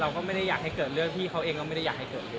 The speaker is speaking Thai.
เราก็ไม่ได้อยากให้เกิดเรื่องพี่เขาเองก็ไม่ได้อยากให้เกิดเรื่อง